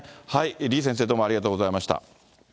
李先生、どうもありがとうございました。